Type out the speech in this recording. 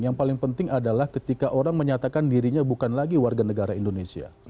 yang paling penting adalah ketika orang menyatakan dirinya bukan lagi warga negara indonesia